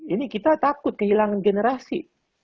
ini kita takut kehilangan generasi